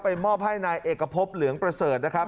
มอบให้นายเอกพบเหลืองประเสริฐนะครับ